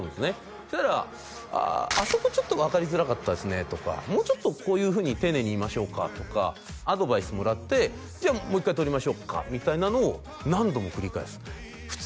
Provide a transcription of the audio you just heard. そうしたらあそこちょっと分かりづらかったですねとかもうちょっとこういうふうに丁寧に言いましょうかとかアドバイスもらってじゃあもう一回とりましょうかみたいなのを何度も繰り返す普通